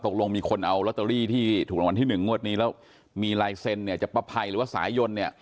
มีคนเอาลอตเตอรี่ที่ถูกรางวัลที่หนึ่งงวดนี้แล้วมีลายเซ็นต์เนี่ยจะป้าภัยหรือว่าสายยนต์เนี่ย